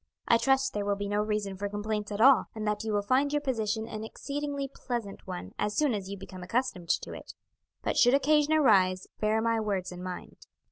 I trust there will be no reason for complaints at all, and that you will find your position an exceedingly pleasant one as soon as you become accustomed to it; but should occasion arise bear my words in mind."